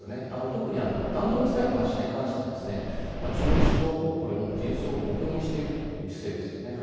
特に弾道ミサイル発射に関しては中国指導部も事実上黙認しているという姿勢ですよね。